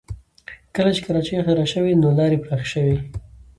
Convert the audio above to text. کله چې کراچۍ اختراع شوې نو لارې پراخه شوې